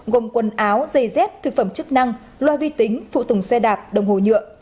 gồm quần áo giày dép thực phẩm chức năng loa vi tính phụ tùng xe đạp đồng hồ nhựa